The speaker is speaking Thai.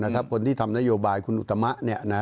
คนที่ทำนโยบายคุณอุตมะ